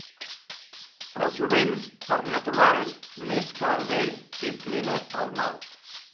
El jovent, per natural, més que al bé, s'inclina al mal.